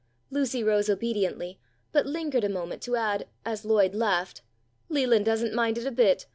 Lucy rose obediently, but lingered a moment to add, as Lloyd laughed, "Leland doesn't mind it a bit.